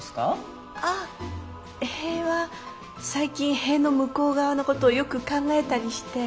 あっ塀は最近塀の向こう側のことをよく考えたりして。